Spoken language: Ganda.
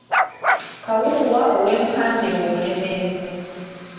Kawuuwa ow'e Mpande mu Bulemeezi.